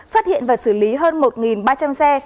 phát hiện và xử lý hơn một ba trăm linh xe